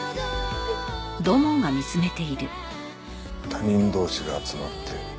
他人同士が集まって。